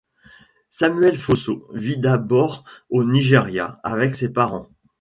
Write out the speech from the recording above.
Samuel Fosso vit d'abord au Nigeria avec ses parents.